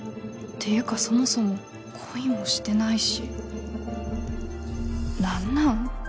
ていうかそもそも恋もしてないし何なん？